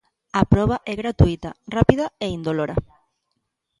A proba é gratuíta, rápida e indolora.